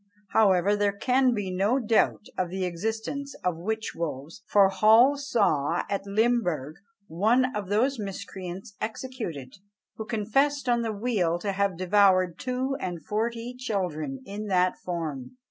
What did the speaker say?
However, there can be no doubt of the existence of "witch wolves;" for Hall saw at Limburgh "one of those miscreants executed, who confessed on the wheel to have devoured two and forty children in that form."